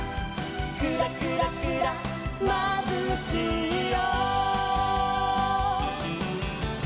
「クラクラクラまぶしいよ」